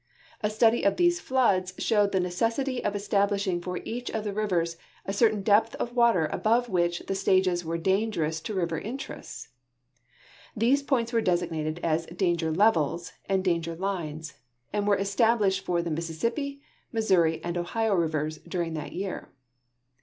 A study of these floods showed the necessitv of establishing for each of the rivers a certain depth of water above which the stages were dangerous to river interests. These points were designated as " danger levels " and " danger lines," and were established for the ^Mississippi, Missouri, and Ohio rivers during that year.